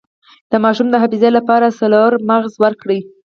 د ماشوم د حافظې لپاره څلور مغز ورکړئ